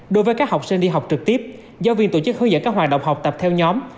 đối với các học sinh đi học trực tiếp giáo viên tổ chức hướng dẫn các hoạt động học tập theo nhóm